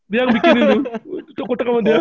dia yang bikinin itu